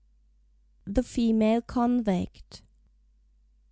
THE FEMALE CONVICT.